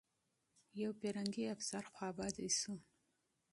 یو انګریزي افسر افسوس وکړ.